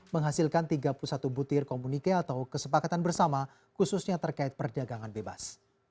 menghasilkan tiga puluh satu butir komunike atau kesepakatan bersama khususnya terkait perdagangan bebas